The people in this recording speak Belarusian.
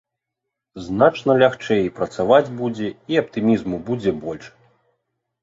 Значна лягчэй і працаваць будзе, і аптымізму будзе больш.